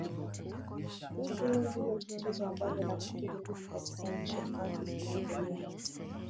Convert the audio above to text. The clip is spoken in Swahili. hilo ndio tatizo ambalo nafikiri lipo katika nchi ambazo zinaendelea